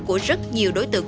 của rất nhiều đối tượng